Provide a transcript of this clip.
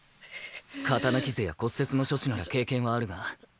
刀傷や骨折の処置なら経験はあるが解毒となると。